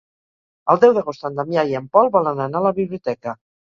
El deu d'agost en Damià i en Pol volen anar a la biblioteca.